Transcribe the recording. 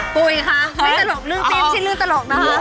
ปุ๊ยคะนี่นึงตลกนะคะ